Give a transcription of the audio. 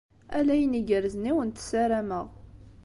Ala ayen igerrzen i awent-ssarameɣ.